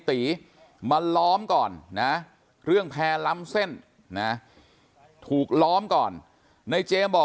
ตีมาล้อมก่อนนะเรื่องแพร่ล้ำเส้นนะถูกล้อมก่อนในเจมส์บอก